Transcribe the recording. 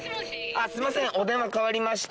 あっすいませんお電話代わりました